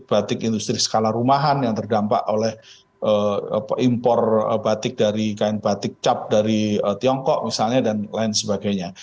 batik industri skala rumahan yang terdampak oleh impor batik dari kain batik cap dari tiongkok misalnya dan lain sebagainya